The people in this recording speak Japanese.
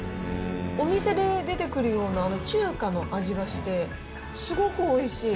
お店で出てくるような、あの中華の味がして、すごくおいしい。